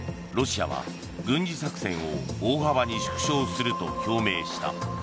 ロシアは軍事作戦を大幅に縮小すると表明した。